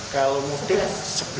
kalau pemudik sebelas sepuluh